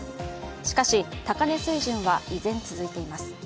しかし高値水準は依然続いています。